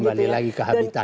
kembali lagi ke habitat